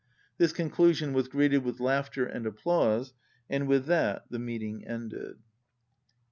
This conclusion was greeted with laughter and ap plause, and with that the meeting ended.